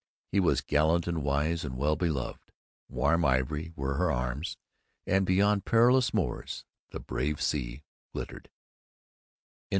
He was gallant and wise and well beloved; warm ivory were her arms; and beyond perilous moors the brave sea glittered.